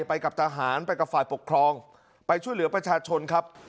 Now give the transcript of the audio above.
ไปกับทหารไปกับฝ่ายปกครองไปช่วยเหลือประชาชนครับ